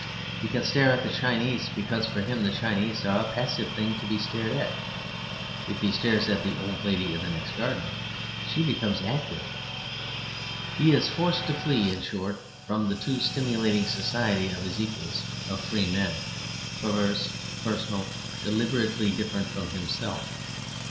He can stare at the Chinese because for him the Chinese are a passive thing to be stared at; if he stares at the old lady in the next garden, she becomes active. He is forced to flee, in short, from the too stimulating society of his equals of free men, perverse, personal, deliberately different from himself.